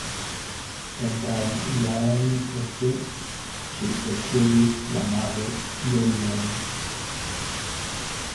Kelkajn jarojn poste ĝi ekuzis la Mare Jonion.